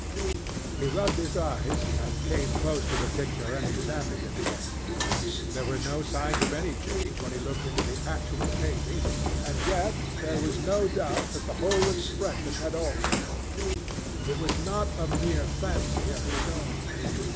He rubbed his eyes, and came close to the picture, and examined it again. There were no signs of any change when he looked into the actual painting, and yet there was no doubt that the whole expression had altered. It was not a mere fancy of his own.